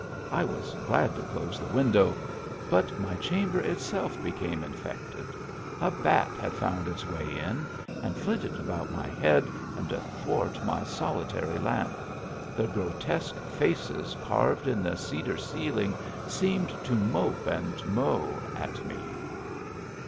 I was glad to close the window ; but my chamber itself became infected. A bat had found its way in, and flitted about my head and athwart my solitary lamp ; the grotesque faces carved in the cedar ceiling seemed to mope and mow at me.